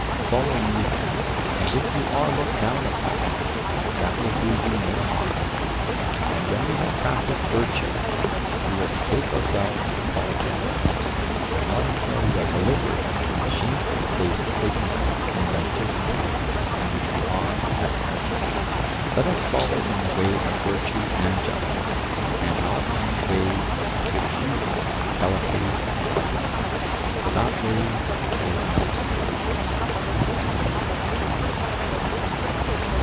Follow me, then; and if you are looked down upon, that will do you no harm. And when we have practised virtue, we will betake ourselves to politics, but not until we are delivered from the shameful state of ignorance and uncertainty in which we are at present. Let us follow in the way of virtue and justice, and not in the way to which you, Callicles, invite us; for that way is nothing worth.